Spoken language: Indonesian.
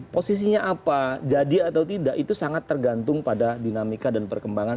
posisinya apa jadi atau tidak itu sangat tergantung pada dinamika dan perkembangan